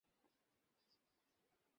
না, এরকম দেখিনি।